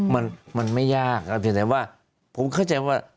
มันไม่ยากเพียงแต่ว่าผมเข้าใจว่า